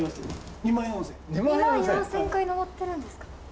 ２万４，０００回登ってるんですか？